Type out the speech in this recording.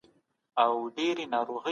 د ټولني د پرمختګ لپاره زکات اړین دی.